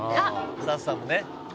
「スタッフさんもね」